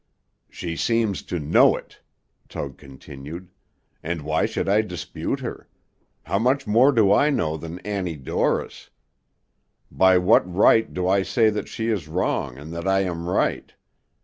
"She seems to know it," Tug continued, "and why should I dispute her? How much more do I know than Annie Dorris? By what right do I say that she is wrong, and that I am right?